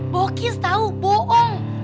bokis tau boong